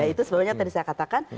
itu sebabnya tadi saya katakan